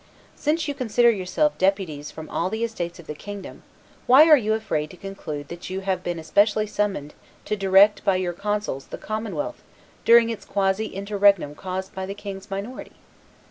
Since you consider yourselves deputies from all the estates of the kingdom, why are you afraid to conclude that you have been especially summoned to direct by your counsels the commonwealth during its quasi interregnum caused by the king's minority?